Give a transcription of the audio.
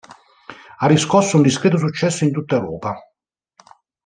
Ha riscosso un discreto successo in tutta Europa.